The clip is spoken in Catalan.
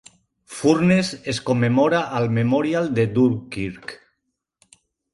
Furness es commemora al Memorial de Dunkirk.